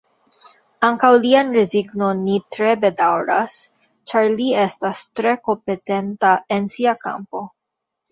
Ankaŭ lian rezignon ni tre bedaŭras, ĉar li estas tre kompetenta en sia kampo.